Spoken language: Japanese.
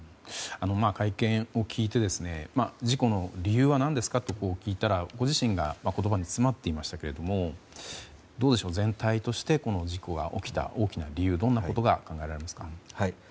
会見を聞いて事故の理由は何ですかと聞いたらご自身が言葉に詰まっていましたけれども全体としてこの事故が大きな理由はどんなことが考えられますか？